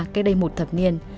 cách đây một thập niên